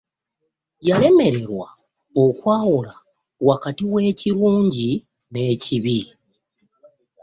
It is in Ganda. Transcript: Yalemererwa okwaula wakati w'ekirunji n'ekibi .